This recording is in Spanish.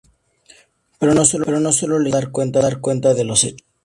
Pero no sólo le interesa dar cuenta de los hechos.